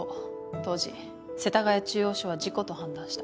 当時世田谷中央署は事故と判断した。